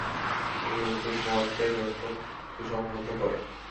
তিনি উত্তর সুমাত্রায় নিয়ন্ত্রণ সুসংহত করেন।